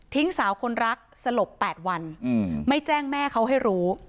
สาวคนรักสลบ๘วันไม่แจ้งแม่เขาให้รู้